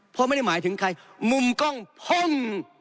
เพราะไม่ได้หมายถึงใครมุมกล้องพ่น